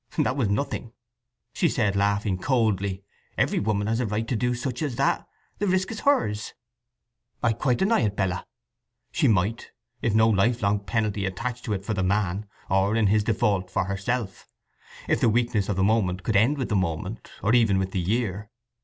"That was nothing," she said, laughing coldly. "Every woman has a right to do such as that. The risk is hers." "I quite deny it, Bella. She might if no lifelong penalty attached to it for the man, or, in his default, for herself; if the weakness of the moment could end with the moment, or even with the year.